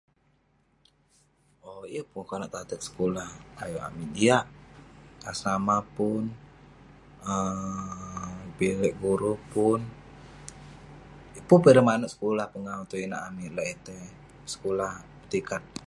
Owk, yeng pun konak tateg sekulah ayuk amik, jiak. Asrama pun, um bilik guru pun. Pun peh ireh manouk sekulah pengawu tong inak amik lak itei, sekulah tikat.